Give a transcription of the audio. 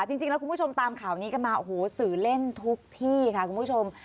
จริงแล้วคุณผู้ชมตามข่าวนี้กันมาโอ้โหสื่อเล่นทุกที่ค่ะคุณผู้ชม